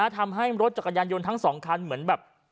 ทำให้รถจักรยานยนต์ทั้งสองคันเหมือนแบบ